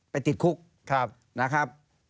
ติดคุกนะครับ